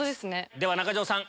では中条さん